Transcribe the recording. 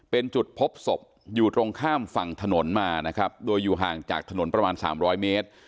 เป็นจุดพบศพอยู่ตรงข้ามฝั่งถนนมานะครับโดยอยู่ห่างจากถนนประมาณสามร้อยเมตร